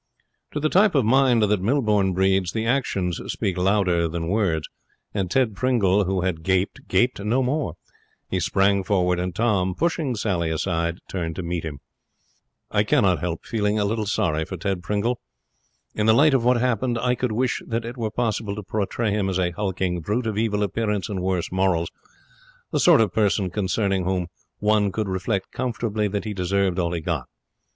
To the type of mind that Millbourne breeds, actions speak louder than words, and Ted Pringle, who had gaped, gaped no more. He sprang forward, and Tom, pushing Sally aside, turned to meet him. I cannot help feeling a little sorry for Ted Pringle. In the light of what happened, I could wish that it were possible to portray him as a hulking brute of evil appearance and worse morals the sort of person concerning whom one could reflect comfortably that he deserved all he got.